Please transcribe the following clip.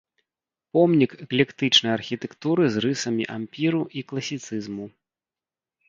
Помнік эклектычнай архітэктуры з рысамі ампіру і класіцызму.